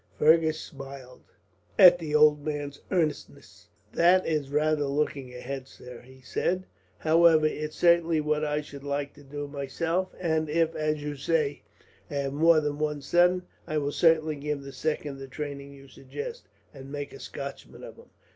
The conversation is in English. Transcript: Fergus smiled at the old man's earnestness. "That is rather looking ahead, sir," he said. "However, it is certainly what I should like to do, myself; and if, as you say, I have more than one son, I will certainly give the second the training you suggest, and make a Scotchman of him.